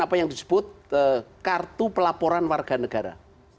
apa yang disebut kartu pelaporan warga negara